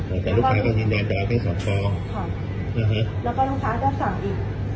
อ่าแต่ลูกค้าก็สินดันตัวเอาไข่สองตอนค่ะอ่าฮะแล้วก็ลูกค้าก็สั่งอีก